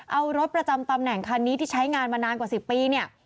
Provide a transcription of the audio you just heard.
เอารถประจำตำแหน่งคันนี้ที่ใช้งานมานานกว่า๑๐ปีเนี่ย